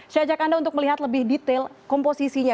saya ajak anda untuk melihat lebih detail komposisinya